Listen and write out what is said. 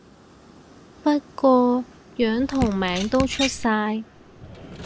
不過樣同名都出晒